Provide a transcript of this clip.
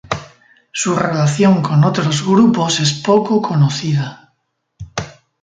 Su relación con otros grupos es poco conocida.